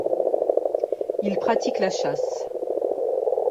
Ils pratiquent la chasse.